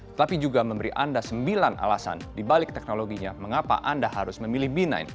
tetapi juga memberi anda sembilan alasan dibalik teknologinya mengapa anda harus memilih b sembilan